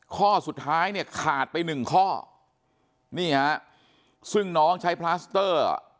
ข้อสุดท้ายเนี่ยขาดไปหนึ่งข้อนี่ฮะซึ่งน้องใช้พลาสเตอร์